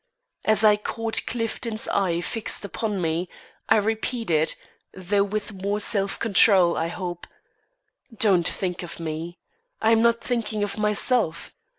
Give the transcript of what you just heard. As I caught Clifton's eye fixed upon me, I repeated though with more self control, I hope: "Don't think of me. I'm not thinking of myself.